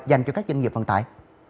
dành cho các doanh nghiệp vận tải